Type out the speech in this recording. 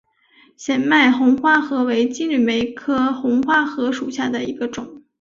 显脉红花荷为金缕梅科红花荷属下的一个种。